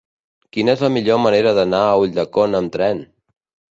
Quina és la millor manera d'anar a Ulldecona amb tren?